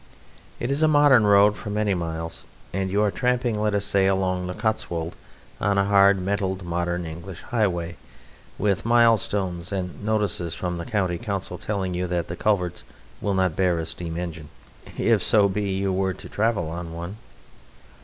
It is a modern road for many miles, and you are tramping, let us say, along the Cotswold on a hard metalled modern English highway, with milestones and notices from the County Council telling you that the culverts will not bear a steam engine, if so be you were to travel on one.